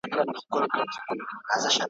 دا ټوټې وي تر زرګونو رسېدلي `